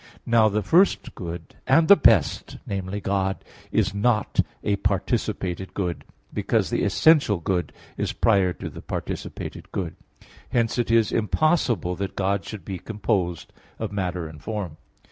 Now the first good and the best viz. God is not a participated good, because the essential good is prior to the participated good. Hence it is impossible that God should be composed of matter and form.